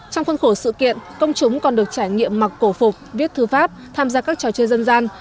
trong khuôn khổ sự kiện công chúng còn được trải nghiệm mặc cổ phục viết thư pháp tham gia các trò chơi dân gian